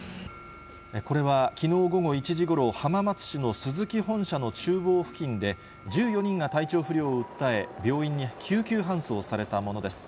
これはきのう午後１時ごろ、浜松市のスズキ本社のちゅう房付近で、１４人が体調不良を訴え、病院に救急搬送されたものです。